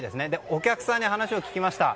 お客さんに話を聞きました。